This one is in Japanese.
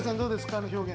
あの表現。